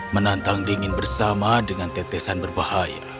menantang dingin bersama dengan tetesan berbahaya